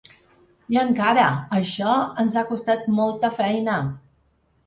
I encara: Això ens ha costat molta feina.